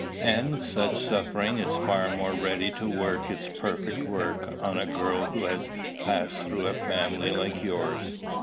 And such suffering is far more ready to work its perfect work on a girl who has passed through a family like yours."